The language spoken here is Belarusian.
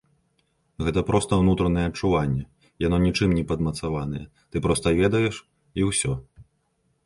Гэта проста ўнутранае адчуванне, яно нічым не падмацаванае, ты проста ведаеш і ўсё.